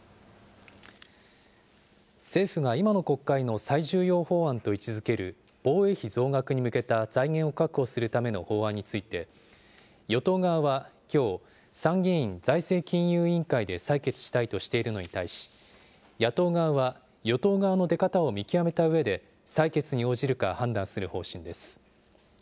政府が今の国会の最重要法案と位置づける、防衛費増額に向けた財源を確保するための法案について、与党側はきょう、参議院財政金融委員会で採決したいとしているのに対し、野党側は与党側の出方を見極めたうえで、採決に応じるか判断する方針です。